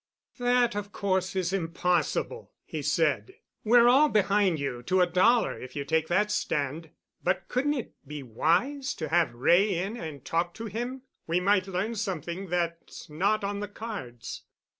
"That, of course, is impossible," he said. "We're all behind you to a dollar if you take that stand. But couldn't it be wise to have Wray in and talk to him? We might learn something that's not on the cards."